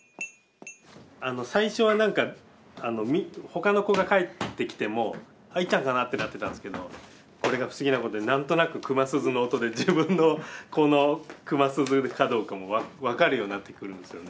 最初は何かほかの子が帰ってきても「いっちゃんかな？」ってなってたんですけどこれが不思議なことに何となく熊鈴の音で自分の子の熊鈴かどうかも分かるようになってくるんですよね。